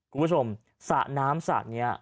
คุณผู้ชมสระน้ำสระเนี้ย